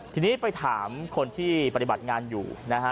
ทีนี้ไปถามคนที่ปฏิบัติงานอยู่นะฮะ